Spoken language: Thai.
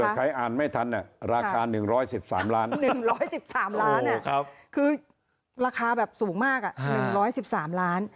เผื่อใครอ่านไม่ทันเนี่ยราคา๑๑๓ล้านคือราคาแบบสูงมาก๑๑๓ล้าน